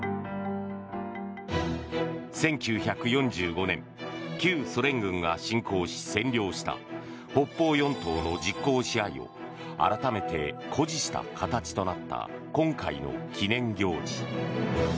１９４５年、旧ソ連軍が侵攻し占領した北方四島の実効支配を改めて誇示した形となった今回の記念行事。